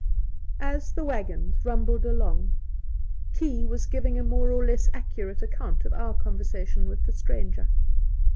As the waggons rumbled along Key was giving a more or less accurate account of our conversation with the stranger.